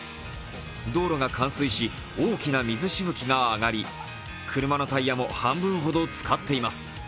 道路が冠水し、大きな水しぶきが上がり、車のタイヤも半分ほどつかっています。